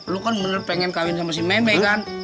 lu kan bener pengen kawin sama si meme kan